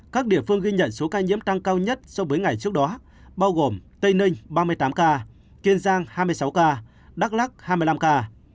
các địa phương ghi nhận số ca nhiễm tăng cao nhất so với ngày trước đó bao gồm tây ninh ba mươi tám ca kiên giang hai mươi sáu ca đắk lắc hai mươi năm ca